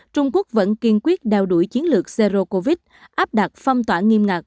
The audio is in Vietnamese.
trung quốc vẫn kiên quyết đao đuổi chiến lược zero covid áp đặt phong toả nghiêm ngặt